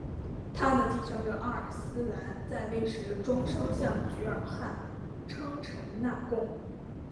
他的继承者阿尔斯兰在位时终生向菊儿汗称臣纳贡。